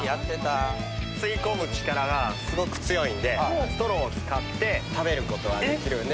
吸い込む力がすごく強いんで、ストローを使って食べることができるんで。